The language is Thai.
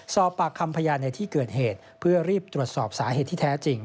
สอบปากคำพยานในที่เกิดเหตุเพื่อรีบตรวจสอบสาเหตุที่แท้จริง